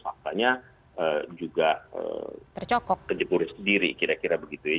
faktanya juga terjepuris diri kira kira begitu ya